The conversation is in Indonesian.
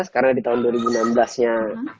karena di tahun dua ribu enam belas nya